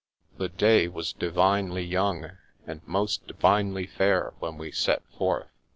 The day was divinely young, and most divinely fair, when we set forth.